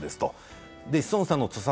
志尊さんの土佐